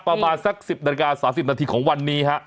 ประมาณสัก๑๐นาฬิกา๓๐นาทีของวันนี้ฮะ